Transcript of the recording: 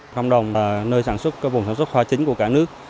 công đồng là nơi sản xuất vùng sản xuất hoa chính của cả nước